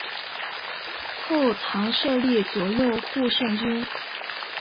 后唐设立左右护圣军。